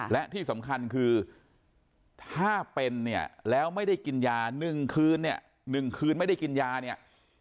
และที่สำคัญคือถ้าเป็นและไม่ได้กินยา๑คืนนี้